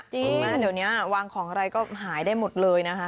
เดี๋ยวเนี้ยวางของอะไรก็หายได้หมดเลยนะฮะ